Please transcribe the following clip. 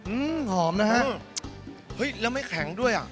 อื้อหอมนะฮะแล้วไม่แข็งด้วย